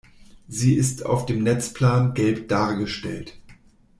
Sie ist auf dem Netzplan gelb dargestellt.